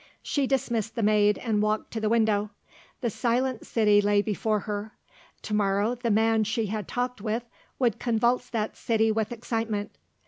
She dismissed the maid and walked to the window. The silent city lay before her; to morrow the man she had talked with would convulse that city with excitement.